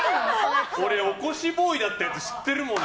俺、起こしボーイだったやつ知ってるもんな。